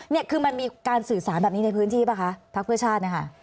นี่คือมันมีการสื่อสารแบบนี้ในพื้นที่ป่ะคะพักเพื่อชาตินะคะ